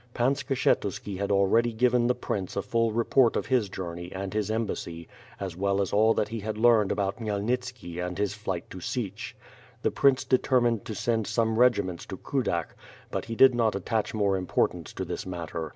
Pan Skshetuski had al ready given the prince a full report of his journey and his embassy as well as all that he had heard about Khmyelnitski and his flight to Sich. The prince determined to send some regiments to Kudak, but he did not attach much importance to this matter.